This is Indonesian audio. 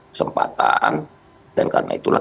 kesempatan dan karena itulah